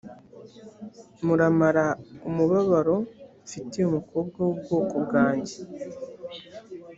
muramara umubabaro mfitiye umukobwa w’ubwoko bwanjye